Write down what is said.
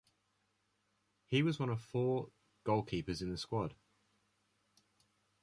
He was one of four goalkeepers in the squad.